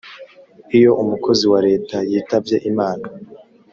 iyo umukozi wa leta yitabye imana,